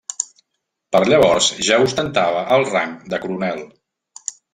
Per llavors ja ostentava el rang de coronel.